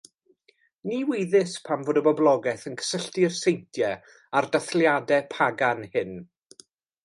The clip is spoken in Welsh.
Ni wyddys pam fod y boblogaeth yn cysylltu'r seintiau â'r dathliadau pagan hyn.